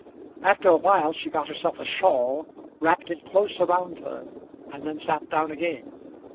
After a while she got herself a shawl, wrapped it close around her, and then sat down again.